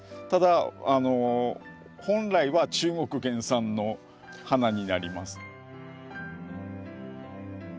ただ本来は中国原産の花になります。